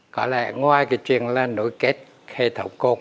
có lẽ ngoài cái chuyện là nối kết hệ thống cột